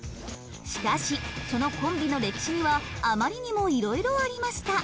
しかしそのコンビの歴史にはあまりにもいろいろありました。